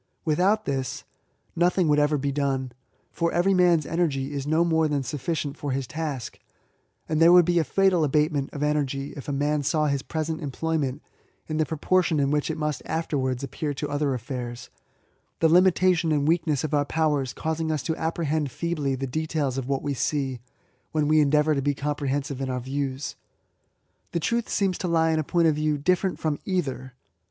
Without this, nothing would ever be done ; for every man's energy is no more than sufficient for his task ; and there would be a fatal abatement of energy, if a man saw his present employment in the proportion in which it must afterwards appear to other affairs, — the limitation and weakness of our powers causing us to apprehend feebly the 72 ESSAYS. details of what we see, when we endeavour to be comprehensive in our views. The truth seems to lie in a point of view different from either.